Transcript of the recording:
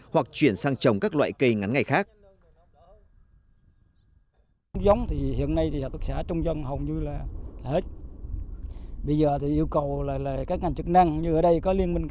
hoặc chuyển sang trồng các loại cây ngắn ngày khác